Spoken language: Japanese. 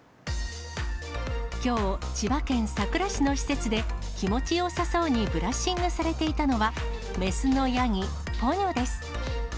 きょう、千葉県佐倉市の施設で、気持ちよさそうにブラッシングされていたのは、雌のヤギ、ポニョです。